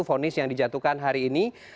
fonis yang dijatuhkan hari ini